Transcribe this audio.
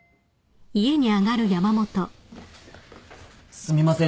・すみません